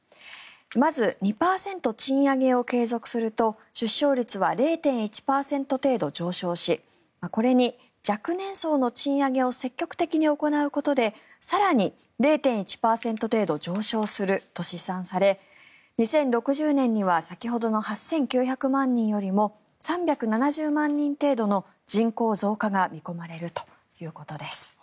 まず、２％賃上げを継続すると出生率は０．１％程度上昇しこれに若年層の賃上げを積極的に行うことで更に０．１％程度上昇すると試算され２０６０年には先ほどの８９００万人よりも３７０万人程度の人口増加が見込まれるということです。